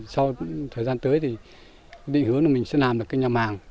sau thời gian tới thì định hướng là mình sẽ làm được cái nhà màng